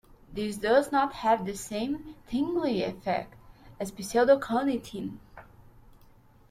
This does not have the same tingling effect as pseudaconitine.